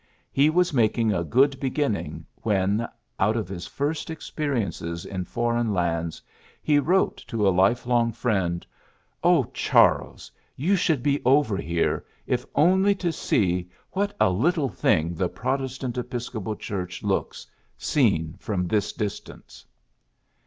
He was making a good beginning when, out of his first experiences in foreign lands, he wrote to a lifelong friend, ^'O, Charles, you should be over here, if only to see what a little thing the 34 PHILLIPS BEOOKS Protestant Episcopal Churcli looks, seen from this distance